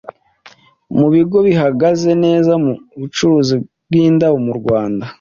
mu bigo bihagaze neza mu bucuruzi bw'indabo mu Rwanda